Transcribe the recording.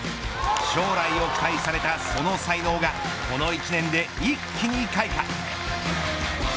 将来を期待されたその才能がこの１年で一気に開花。